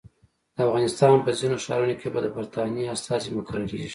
د افغانستان په ځینو ښارونو کې به د برټانیې استازي مقرریږي.